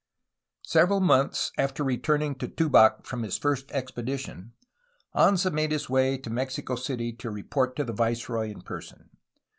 Several months after returning to Tubac from his first ex pedition, Anza made his way to Mexico City to report to the viceroy in person.